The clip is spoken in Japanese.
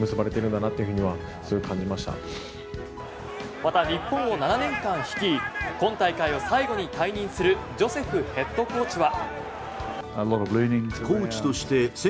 また日本を７年間率い今大会を最後に退任するジョセフヘッドコーチは。